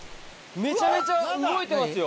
めちゃめちゃ動いてますよ。